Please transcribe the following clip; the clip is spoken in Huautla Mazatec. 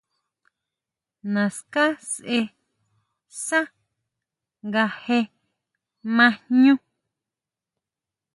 Naská sʼe sá nga je ma jñú.